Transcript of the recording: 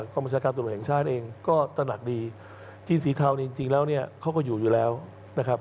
ประชาการตำรวจแห่งชาติเองก็ตระหนักดีจีนสีเทาเนี่ยจริงแล้วเนี่ยเขาก็อยู่อยู่แล้วนะครับ